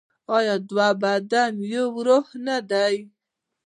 آیا دوه بدن یو روح نه دي؟